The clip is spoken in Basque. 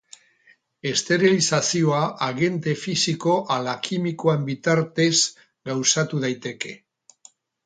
Esterilizazioa agente fisiko ala kimikoen bitartez gauzatu daiteke.